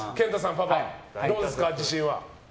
パパ、どうですか自信は。